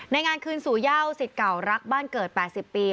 ในงานคืนสู่ย่าวศิษย์เก่ารักบ้านเกิด๘๐ปี